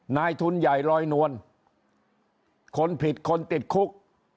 นายทุนใหญ่ลอยนวลคนผิดคนติดคุก